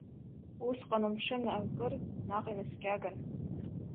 Усҟан амшын акыр наҟ инаскьаган.